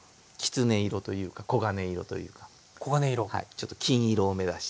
ちょっと金色を目指して。